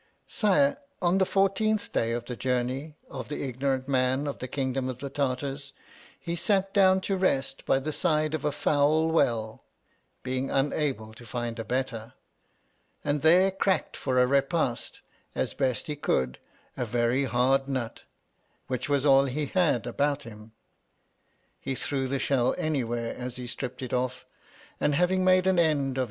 Sire, on the fourteenth day of the journey of the ignorant man of the kingdom of the Tartars, he sat down to rest by the side of a foul well (being unable to find a better), and there cracked for a repast, as Be best could, a very hard nut, which was all he had abtnit him. He threw the shell any win stripped it oft', and having made an end ot' ln.